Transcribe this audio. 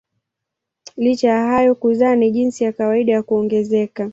Licha ya hayo kuzaa ni jinsi ya kawaida ya kuongezeka.